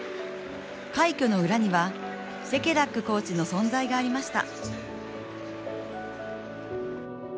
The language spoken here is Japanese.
快挙の裏には、シェケラックコーチの存在がありました。